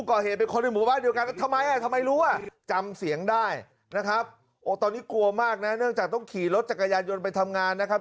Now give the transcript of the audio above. โอ้ตอนนี้กลัวมากเนี่ยเนื่องจากต้องขย์รถจักรยานยนต์ไปทำงานนะครับ